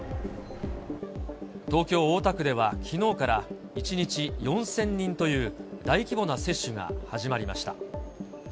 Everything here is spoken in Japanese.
東京・大田区ではきのうから、１日４０００人という大規模な接種が始まりました。